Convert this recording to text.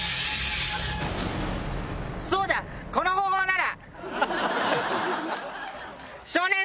そうだこの方法なら！